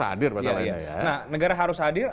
hadir masalahnya nah negara harus hadir